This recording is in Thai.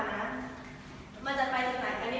มันจะไปจากแหน่งตัวในทางที่แม่